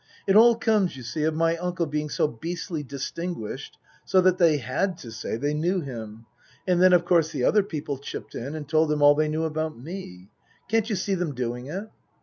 It all comes, you see, of my uncle being so beastly distinguished, so that they had to say they knew him. And then of course the other people chipped in and told them all they knew about me. Can't you see them doing it?"